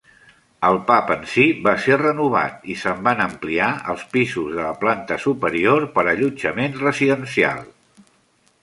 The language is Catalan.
El pub en si va ser renovat i se'n van ampliar els pisos de la planta superior per a allotjament residencial.